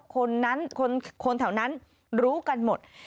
คนแถวนั้นรู้กันหมด